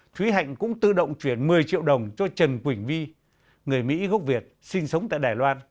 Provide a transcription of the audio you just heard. thúy hạnh cũng tự động chuyển một mươi triệu đồng cho trần quỳnh vi người mỹ gốc việt sinh sống tại đài loan